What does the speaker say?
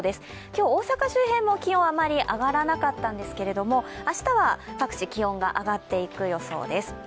今日、大阪周辺も気温あまり上がらなかったんですけど、明日は各地、気温が上がっていく予想です。